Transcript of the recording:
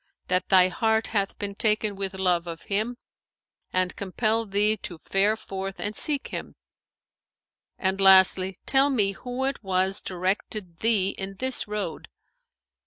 that thy heart hath been taken with love of him and compelled thee to fare forth and seek him; and lastly tell me who it was directed thee in this road.'